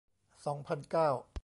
สองพันเก้า